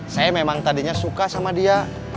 saya memang tadinya suka sama dia